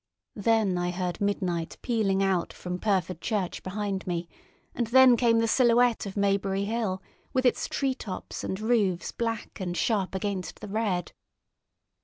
Then I heard midnight pealing out from Pyrford Church behind me, and then came the silhouette of Maybury Hill, with its tree tops and roofs black and sharp against the red.